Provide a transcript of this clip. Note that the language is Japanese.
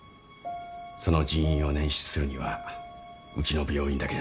その人員を捻出するにはうちの病院だけじゃ駄目だ。